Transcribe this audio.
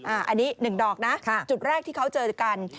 อันนี้๑ดอกนะจุดแรกที่เขาเจอกัน